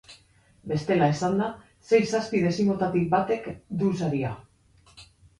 Bestela esanda, sei-zazpi dezimotatik batek du saria.